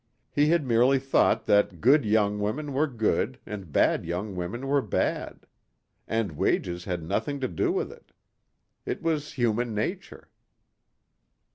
He had merely thought that good young women were good and bad young women were bad. And wages had nothing to do with it. It was human nature.